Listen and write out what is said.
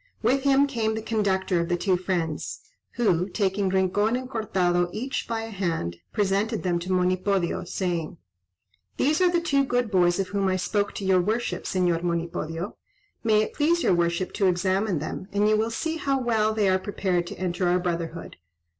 With him came the conductor of the two friends; who, taking Rincon and Cortado each by a hand, presented them to Monipodio, saying, "These are the two good boys of whom I spoke to your worship, Señor Monipodio. May it please your worship to examine them, and you will see how well they are prepared to enter our brotherhood."